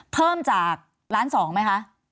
เพิ่มจากล้านสองไหมคะ